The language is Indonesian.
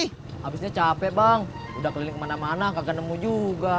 habisnya capek bang udah keliling kemana mana gak ketemu juga